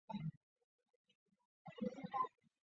警察搜查家庭和冲刷对周围地区的距离。